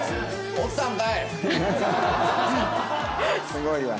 すごいわ。